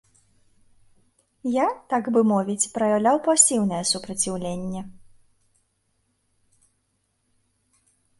Я, так бы мовіць, праяўляў пасіўнае супраціўленне.